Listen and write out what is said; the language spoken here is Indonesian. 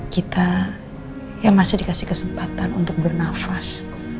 kita yang masih dikasih kesempatan untuk bernafas